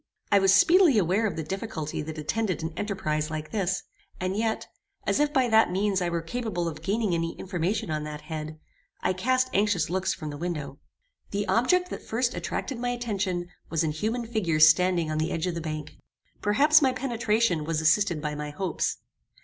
I was speedily aware of the difficulty that attended an enterprize like this; and yet, as if by that means I were capable of gaining any information on that head, I cast anxious looks from the window. The object that first attracted my attention was an human figure standing on the edge of the bank. Perhaps my penetration was assisted by my hopes.